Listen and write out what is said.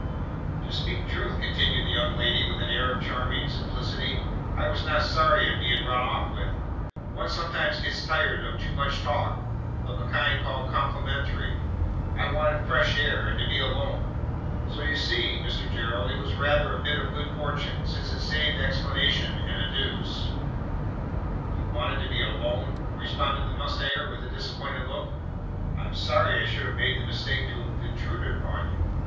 "To speak truth," continued the young lady, with an air of charming simplicity, "I was not sorry at being run off with. One sometimes gets tired of too much talk of the kind called complimentary. I wanted fresh air, and to be alone. So you see, Mr Gerald, it was rather a bit of good fortune: since it saved explanations and adieus." "You wanted to be alone?" responded the mustanger, with a disappointed look. "I am sorry I should have made the mistake to have intruded upon you.